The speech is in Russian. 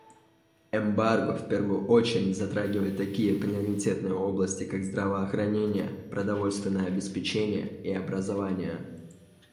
Эмбарго в первую очередь затрагивает такие приоритетные области, как здравоохранение, продовольственное обеспечение и образование.